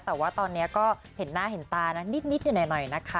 แต่ว่าตอนนี้ก็เห็นหน้าเห็นตานะนิดอยู่หน่อยนะคะ